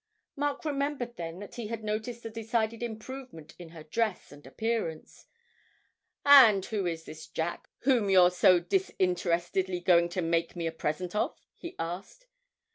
Mark remembered then that he had noticed a decided improvement in her dress and appearance. 'And who is this Jack whom you're so disinterestedly going to make me a present of?' he asked.